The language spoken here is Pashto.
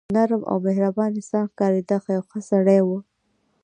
نرم او مهربان انسان ښکارېده، یو ښه سړی و.